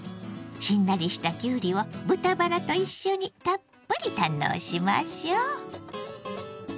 しんなりしたきゅうりを豚バラと一緒にたっぷり堪能しましょう！